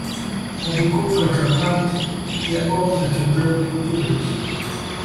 On découvre que Hunt n’est autre que Dirk Peters.